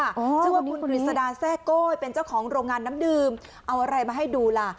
ชื่อว่าคุณกฤษดาแซ่โก้ยเป็นเจ้าของโรงงานน้ำดื่มเอาอะไรมาให้ดูล่ะ